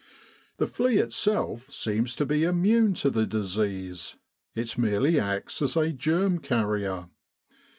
The flea itself seems to be immune to the disease : it merely acts as a germ carrier.